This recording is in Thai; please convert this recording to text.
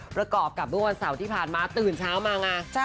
ประกอบกับวันเสาร์ที่พันมาตื่นเช้ามางาน